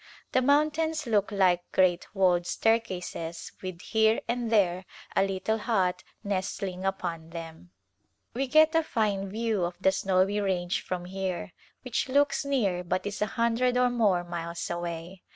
The mountains look like great walled staircases with here and there a little hut nestling upon them. We get a fine view of the Snowy Range from here which looks near but is a hundred or more miles away.